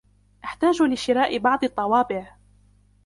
أحتاج لشراء بعض الطوابع.